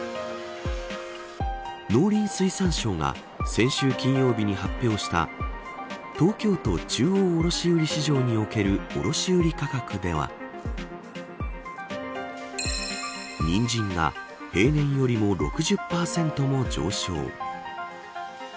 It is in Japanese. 農林水産省が先週金曜日に発表した東京都中央卸売市場における卸売価格ではニンジンが平年よりも６０％も上昇。